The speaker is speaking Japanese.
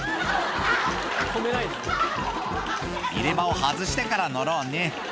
入れ歯を外してから乗ろうね。